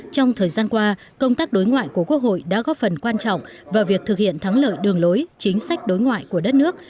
trong thời gian qua công tác đối ngoại của quốc hội đã góp phần quan trọng vào việc thực hiện thắng lợi đường lối chính sách đối ngoại của đất nước